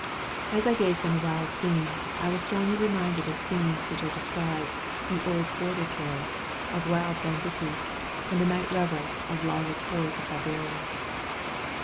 As I gazed on the wild scene, I was strongly reminded of scenes which are described in old border tales, of wild banditti, and night revels of lawless hordes of barbarians.